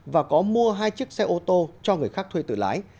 và có mua hai chiếc xe ô tô cho người khác thuê tự lái